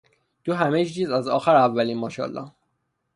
تو همه چیز از آخر اولیم ماشالا